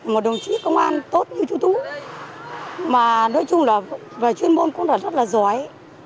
một đồng chí công an tốt như chú tú mà nói chung là về chuyên môn cũng là rất là giỏi